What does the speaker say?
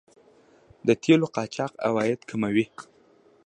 د تیلو قاچاق عواید کموي.